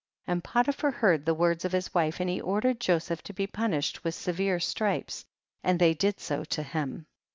62. And Potiphar heard the words of his wife, and he ordered Joseph to be punished with severe stripes, and they did so to him.